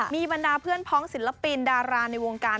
มีบรรดาเพื่อนพ้องศิลปินดาราในวงการ